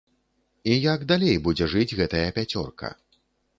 І як далей будзе жыць гэтая пяцёрка?